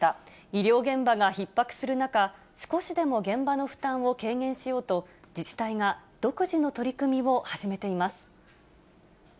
医療現場がひっ迫する中、少しでも現場の負担を軽減しようと、自治体が独自の取り組みを始めています。